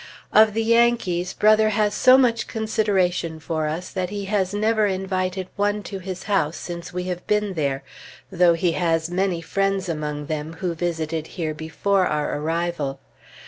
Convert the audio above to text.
Of the Yankees, Brother has so much consideration for us that he has never invited one to his house since we have been here, though he has many friends among them who visited here before our arrival.